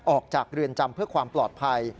ออกจากเรือนจำเพื่อความปลอดภัย